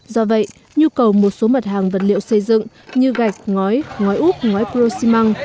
do vậy nhu cầu một số mật hàng vật liệu xây dựng như gạch ngói ngói úp ngói crostimang